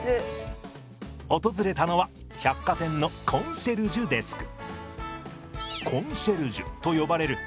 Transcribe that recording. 訪れたのは百貨店のコンシェルジュデスク。